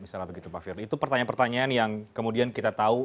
itu pertanyaan pertanyaan yang kemudian kita tahu